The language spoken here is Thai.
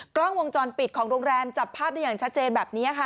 กล้องวงจรปิดของโรงแรมจับภาพได้อย่างชัดเจนแบบนี้ค่ะ